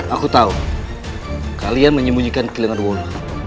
aku tahu kalian menyembunyikan kilangan walu